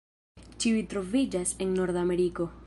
Ĉiuj troviĝas en Nordameriko.